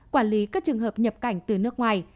quản lý các trường hợp nhập cảnh từ nước ngoài